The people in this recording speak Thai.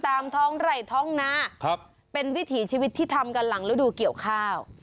ตามท้องไหล่ท้องนาเป็นวิถีชีวิตที่ทำกันหลังฤดูเกี่ยวข้าว